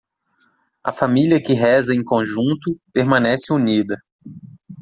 A família que reza em conjunto? permanece unida.